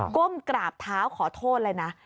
ก้มกราบเท้าขอโทษเลยนะ